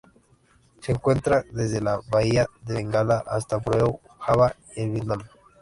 Se encuentra desde la Bahía de Bengala hasta Borneo, Java y el Vietnam.